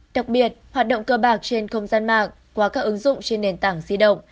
đặc biệt hoạt động cơ bạc trên không gian mạng qua các ứng dụng trên nền tảng di động